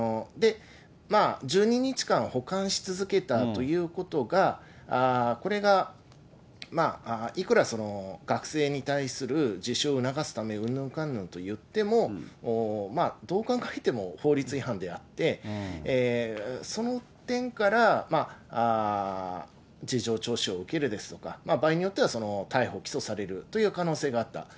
１２日間保管し続けたということが、これがいくら学生に対する自首を促すためうんぬんかんぬんと言っても、どう考えても法律違反であって、その点から、事情聴取を受けるですとか、場合によっては逮捕・起訴されるという可能性があった。